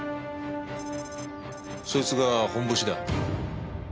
そいつが本ボシだ。